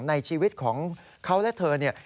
ในชีวิตของเขาและเธอเนี่ย